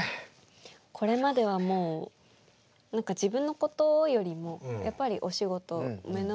これまではもう何か自分のことよりもやっぱりお仕事目の前にあるもの。